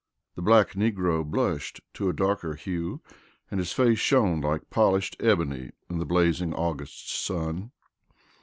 The black negro blushed to a darker hue and his face shone like polished ebony in the blazing August sun.